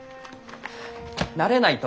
慣れないと。